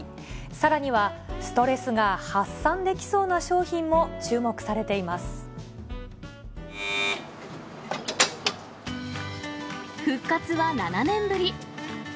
さらにはストレスが発散できそう復活は７年ぶり。